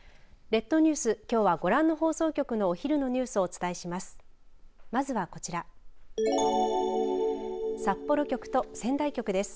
列島ニュース、きょうはご覧の放送局のお昼のニュースをお伝えします。